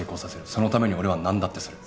そのために俺はなんだってする。